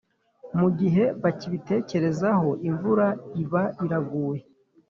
mu gihe bakibitekerezaho, imvura iba iraguye